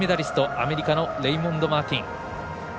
アメリカのレイモンド・マーティン。